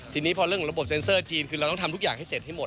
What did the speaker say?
ทีนี้พอเรื่องระบบเซ็นเซอร์จีนคือเราต้องทำทุกอย่างให้เสร็จให้หมด